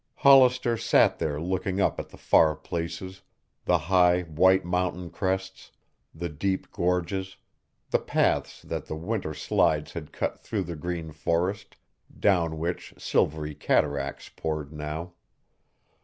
Hollister sat there looking up at the far places, the high, white mountain crests, the deep gorges, the paths that the winter slides had cut through the green forest, down which silvery cataracts poured now.